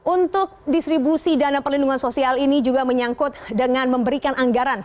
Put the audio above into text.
untuk distribusi dana perlindungan sosial ini juga menyangkut dengan memberikan anggaran